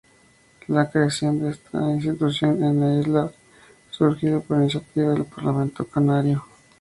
La creación de esta institución en las Islas, surgió por iniciativa del Parlamento Canario.